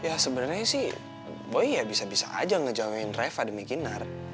ya sebenarnya sih boy ya bisa bisa aja ngejawain reva demi inner